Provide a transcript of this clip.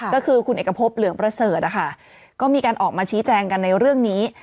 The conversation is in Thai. ก็คือคุณเอกพบเหลืองประเสริฐนะคะก็มีการออกมาชี้แจงกันในเรื่องนี้